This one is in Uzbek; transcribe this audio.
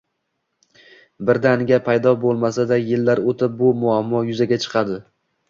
birdaniga paydo bo‘lmasa-da, yillar o‘tib bu muammo yuzaga chiqadi.